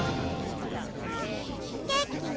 あっケーキ？